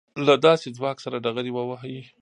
له داسې ځواک سره ډغرې ووهي.